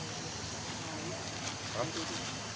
สวัสดีครับทุกคน